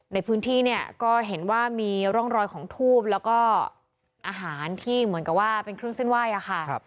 ในพื้นที่เนี่ยก็เห็นว่ามีร่องรอยของทูบแล้วก็อาหารที่เหมือนกับว่าเป็นเครื่องเส้นไหว้ค่ะ